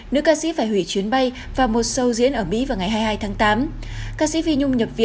nữ ca sĩ phải hủy chuyến bay vào một sâu diễn ở mỹ vào ngày hai mươi hai tháng tám ca sĩ phi nhung nhập viện